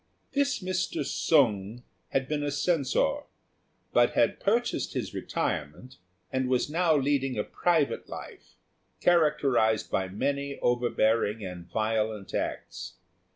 This Mr. Sung had been a Censor, but had purchased his retirement, and was now leading a private life, characterised by many overbearing and violent acts.